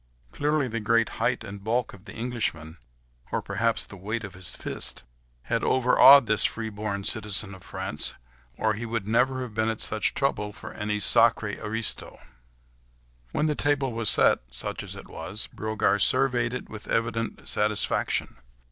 Clearly the great height and bulk of the Englishman, or perhaps the weight of his fist, had overawed this free born citizen of France, or he would never have been at such trouble for any sacrré aristo. When the table was set—such as it was—Brogard surveyed it with evident satisfaction.